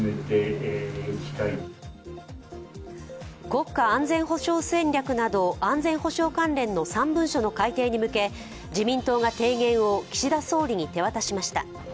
国家安全保障戦略など安全保障関連の３文書の改定に向け自民党が提言を岸田総理に手渡しました。